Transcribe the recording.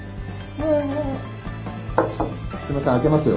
すいません開けますよ。